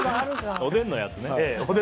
おでんのやつね。